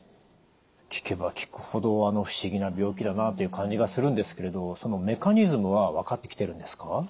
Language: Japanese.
聞けば聞くほど不思議な病気だなという感じがするんですけれどそのメカニズムは分かってきてるんですか？